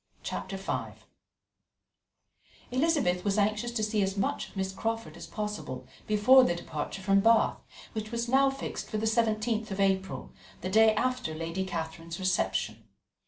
Chapter V Elizabeth was anxious to see as much of Miss Crawford as possible before their departure from Bath, which was now fixed for the 17th of April, the day after Lady Catherine's reception.